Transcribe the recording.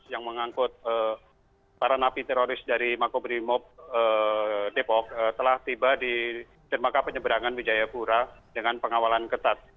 yang mengangkut para napi teroris dari makobrimob depok telah tiba di jermaga penyeberangan wijayapura dengan pengawalan ketat